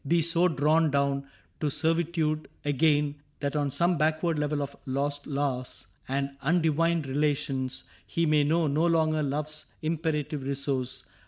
Be so drawn down to servitude again That on some backward level of lost laws And undivined relations, he may know No longer Love's imperative resource.